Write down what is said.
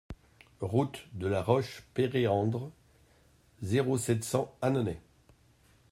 Route de la Roche Péréandre, zéro sept, cent Annonay